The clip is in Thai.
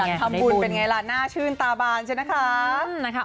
ขยันทำบุญเป็นยังไงล่ะน่าชื่นตาบานใช่ไหมคะ